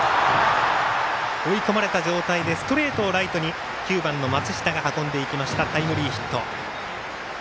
追い込まれた状態でストレートをライトに９番の松下が運んでいきましたタイムリーヒット。